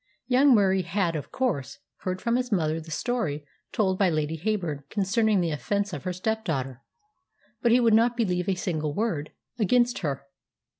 Young Murie had, of course, heard from his mother the story told by Lady Heyburn concerning the offence of her stepdaughter. But he would not believe a single word against her.